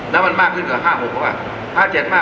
แล้วมันมากขึ้นกว่า๕๖หรือเปล่า